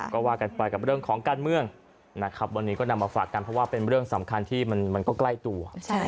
ก็ว่ากันไปกับเรื่องของการเมืองนะครับวันนี้ก็นำมาฝากกันเพราะว่าเป็นเรื่องสำคัญที่มันก็ใกล้ตัว